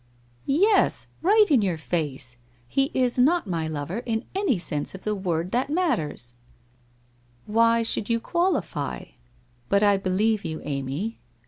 ' 1 Yes, right in your face ! He is not my lover, in any sense of the word that matter .' "Why should yon qualify? But I believe you, Amy.